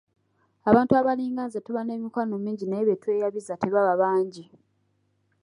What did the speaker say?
Abantu abalinga nze tuba n'emikwano mingi naye betweyabiza tebaba bangi.